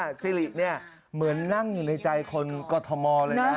ซิริเนี่ยเหมือนนั่งอยู่ในใจคนกรทมเลยนะ